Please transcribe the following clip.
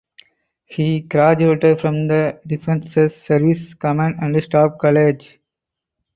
He graduated from the Defence Services Command and Staff College.